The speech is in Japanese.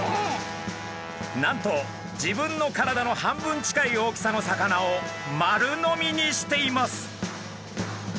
なんと自分の体の半分近い大きさの魚を丸飲みにしています。